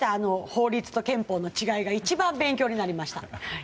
法律と憲法の違いが違いが一番勉強になりました。